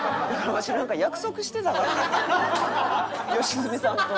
良純さんと。